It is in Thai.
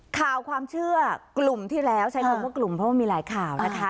ข่าวความเชื่อกลุ่มที่แล้วใช้คำว่ากลุ่มเพราะว่ามีหลายข่าวนะคะ